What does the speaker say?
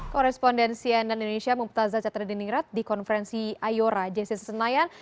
koresponden cnn indonesia muftazah chatterjee diningrat di konferensi ayora jcc senayan